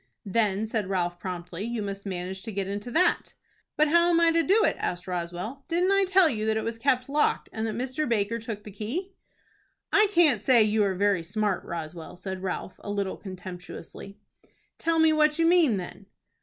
"Then," said Ralph, promptly, "you must manage to get into that." "But how am I to do it?" asked Roswell. "Didn't I tell you that it was kept locked, and that Mr. Baker took the key?" "I can't say you are very smart. Roswell," said Ralph, a little contemptuously. "Tell me what you mean, then."